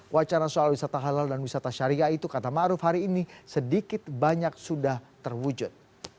wacana soal wisata halal dan wisata syariah itu kata ⁇ maruf ⁇ hari ini sedikit banyak sudah terwujud